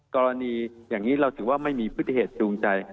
กรณีอย่างนี้เราถือว่าไม่มีพฤติเหตุจูงใจ